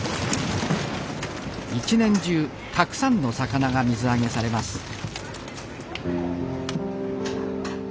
一年中たくさんの魚が水揚げされます